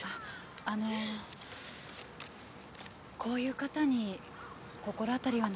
あのこういう方に心当たりはないでしょうか？